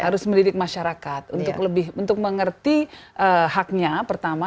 harus mendidik masyarakat untuk lebih untuk mengerti haknya pertama